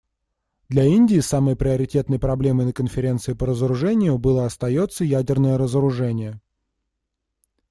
Для Индии самой приоритетной проблемой на Конференции по разоружению было и остается ядерное разоружение.